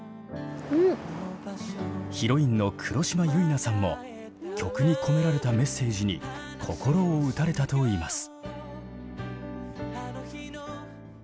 ヒロインの黒島結菜さんも曲に込められたメッセージに心を打たれたといいます。